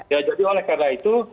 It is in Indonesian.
ya jadi oleh karena itu